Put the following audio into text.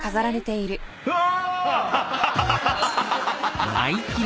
うわ！